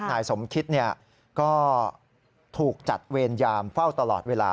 นายสมคิตก็ถูกจัดเวรยามเฝ้าตลอดเวลา